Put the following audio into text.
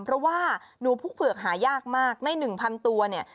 เพราะว่าหนูพุกเผือกหายากมากในหนึ่งพันธุ์ตัวเนี่ย